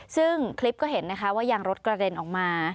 ซึ่งคลิปก็เห็นนะคะว่ายางรถกระเด็นออกมา